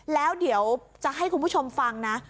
แล้วเดี๋ยวจะให้คุณผู้ชมฟังนะ